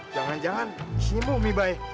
jangan jangan isinya umibay